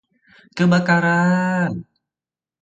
Kebakaran!